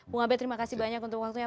bung abed terima kasih banyak untuk waktunya